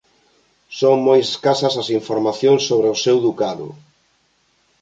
Son moi escasas as informacións sobre o seu ducado.